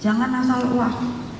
jangan asal uah